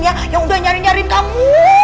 yang udah nyari nyarin kamu